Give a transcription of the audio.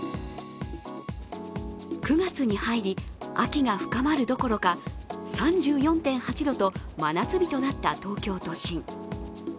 ９月に入り、秋が深まるどころか３４．８度と真夏日となった東京都心。